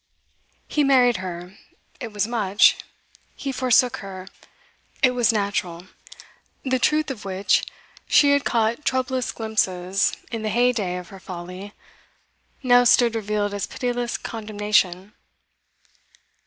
He married her it was much; he forsook her it was natural. The truth of which she had caught troublous glimpses in the heyday of her folly now stood revealed as pitiless condemnation.